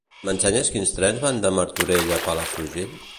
M'ensenyes quins trens van de Martorell a Palafrugell?